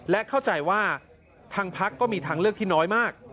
และเข้าใจว่าทางพักก็มีทางเลือกที่น้อยมาก